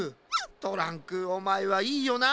トランクおまえはいいよな。